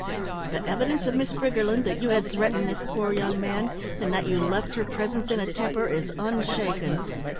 The evidence of Miss Briggerland that you had threatened this poor young man, and that you left her presence in a temper, is unshaken.